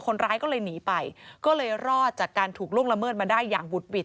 คนร้ายก็เลยหนีไปก็เลยรอดจากการถูกล่วงละเมิดมาได้อย่างหุดหวิด